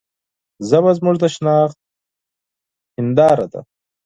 ژبه زموږ د شناخت آینه ده.